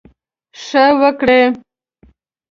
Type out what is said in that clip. ښه وکړٸ.